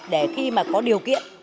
để khi mà có điều kiện